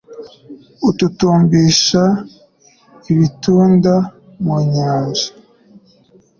ututumbisha ibitunda mu nyanja